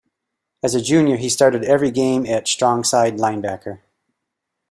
As a Junior he started every game at strongside line-backer.